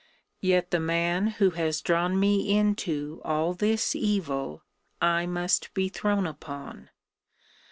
Yet the man who has drawn me into all this evil I must be thrown upon!